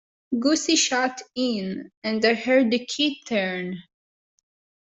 Gussie shot in, and I heard the key turn.